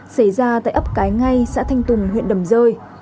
xảy ra tại ấp cái ngay xã thanh tùng huyện đầm rơi